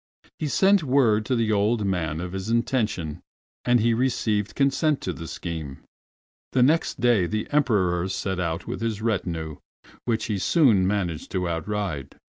He sent word to the old man of his intention, and he received consent to the scheme. The next day the Emperor set out with his retinue, which he soon managed to outride.